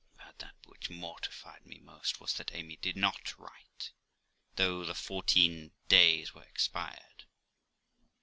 But that which mortified me most was, that Amy did not write, though the fourteen days were expired.